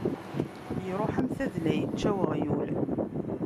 Iṛuḥ am tadla yečča uɣyul.